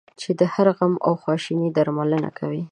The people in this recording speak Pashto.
چې د هر غم او خواشینی درملنه کوي.